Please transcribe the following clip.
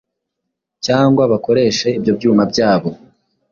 cyangwa bakoreshe ibyo byuma byabo